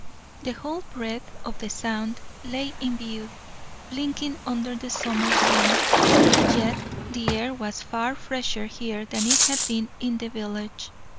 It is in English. The whole breadth of the Sound lay in view, blinking under the summer sun; yet the air was far fresher here than it had been in the village.